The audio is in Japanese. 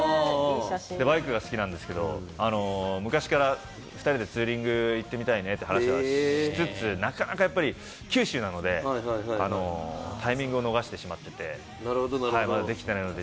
バイクが好きなんですけれども、昔から２人でツーリング行ってみたいねって話はしつつ、なかなかやっぱり、九州なので、タイミングを逃してしまって、まだできてないので。